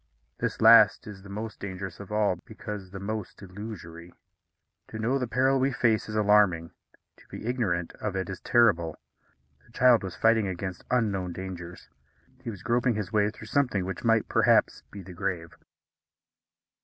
This last is the most dangerous of all, because the most illusory. To know the peril we face is alarming; to be ignorant of it is terrible. The child was fighting against unknown dangers. He was groping his way through something which might, perhaps, be the grave.